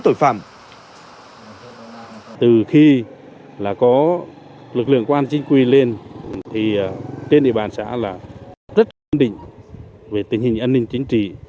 từ khi lực lượng công an chính quy lên trên địa bàn xã rất chân định về tình hình an ninh chính trị